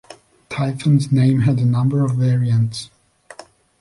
Typhon's name has a number of variants.